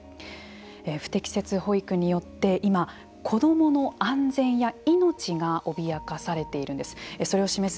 不適切保育によって今、子どもの安全や命が脅かされているんです。